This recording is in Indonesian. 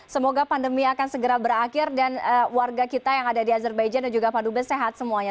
semoga pandemi akan segera berakhir dan warga kita yang ada di azerbaijan dan juga pak dubes sehat semuanya